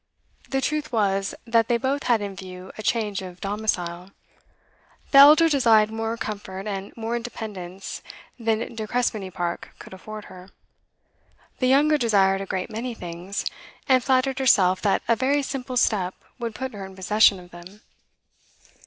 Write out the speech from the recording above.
The truth was, that they both had in view a change of domicile. The elder desired more comfort and more independence than De Crespigny Park could afford her; the younger desired a great many things, and flattered herself that a very simple step would put her in possession of them.